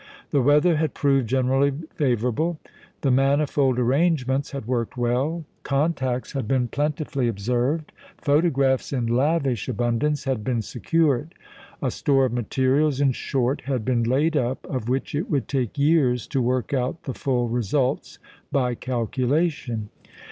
The weather had proved generally favourable; the manifold arrangements had worked well; contacts had been plentifully observed; photographs in lavish abundance had been secured; a store of materials, in short, had been laid up, of which it would take years to work out the full results by calculation.